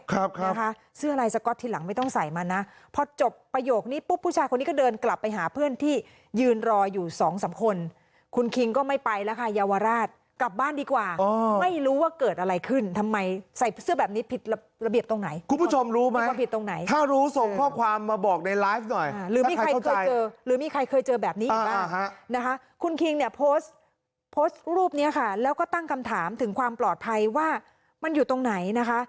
นะคะเสื้อลายสก๊อตที่หลังไม่ต้องใส่มานะพอจบประโยคนี้ปุ๊บผู้ชายคนนี้ก็เดินกลับไปหาเพื่อนที่ยืนรออยู่สองสามคนคุณคิงก็ไม่ไปแล้วค่ะยาวราชกลับบ้านดีกว่าไม่รู้ว่าเกิดอะไรขึ้นทำไมใส่เสื้อแบบนี้ผิดระเบียบตรงไหนคุณผู้ชมรู้ไหมผิดตรงไหนถ้ารู้ส่งข้อความมาบอกในไลฟ์หน่อยหรือมีใครเคยเจอแบบนี้